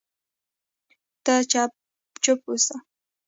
ته چپ سه